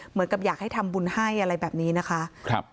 เหมือนกับอยากให้ทำบุญให้อะไรแบบนี้นะคะ